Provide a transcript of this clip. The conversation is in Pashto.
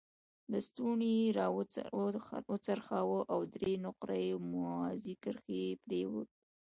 لستوڼی یې را وڅرخاوه او درې نقره یي موازي کرښې یې پرې وې.